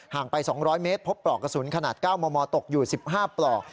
ไป๒๐๐เมตรพบปลอกกระสุนขนาด๙มมตกอยู่๑๕ปลอก